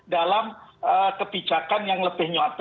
dalam kebijakan yang lebih nyata